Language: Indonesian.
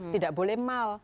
tidak boleh mal